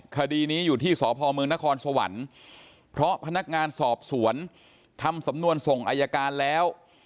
คดีนี้อยู่ที่สพเมืองนครสวรรค์เพราะพนักงานสอบสวนทำสำนวนส่งอายการแล้ว